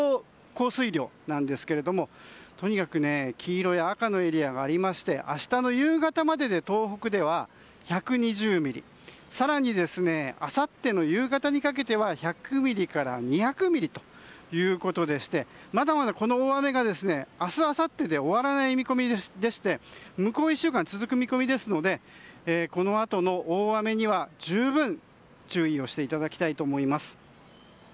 降水量なんですがとにかく、黄色や赤のエリアがありまして明日の夕方までで東北では１２０ミリ更にあさっての夕方にかけては１００ミリから２００ミリということでまだまだ、この大雨が明日、あさってで終わらない見込みでして向こう１週間続く見込みですのでこのあとの大雨には十分注意をしていただきたいと思います。